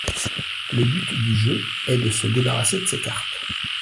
Le but du jeu est de se débarrasser de ses cartes.